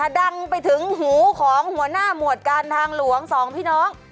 ดังไปถึงหูของหัวหน้าหมวดการทางหลวงสองพี่น้อง